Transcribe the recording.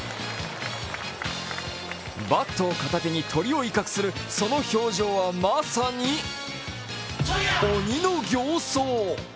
バットを片手に鳥を威嚇するその表情はまさに鬼の形相。